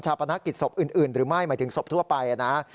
ปนักกิจศพอื่นหรือไม่หมายถึงศพทั่วไปนะ